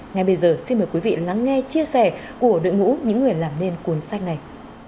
ngay bây giờ xin mời quý vị lắng nghe chia sẻ của đội ngũ những người làm nên cuốn sách này